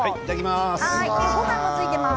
ごはんもついています。